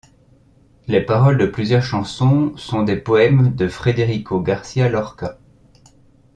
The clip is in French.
Les paroles de plusieurs chansons sont des poèmes de Federico García Lorca.